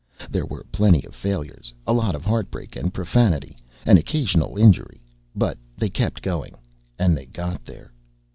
There were plenty of failures, a lot of heartbreak and profanity, an occasional injury but they kept going, and they got there.